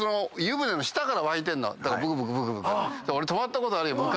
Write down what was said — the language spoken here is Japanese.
俺泊まったことあるよ昔。